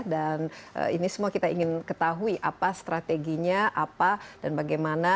dan ini semua kita ingin ketahui apa strateginya apa dan bagaimana